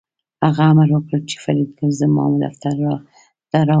هغه امر وکړ چې فریدګل زما دفتر ته راوله